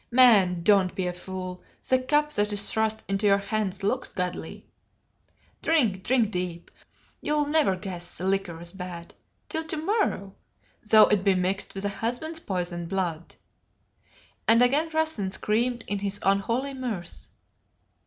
Man, don't be a fool, the cup that is thrust into your hands looks goodly. Drink, drink deep. You'll never guess the liquor's bad till to morrow though it be mixed with a husband's poisoned blood," and again Rassen screamed in his unholy mirth.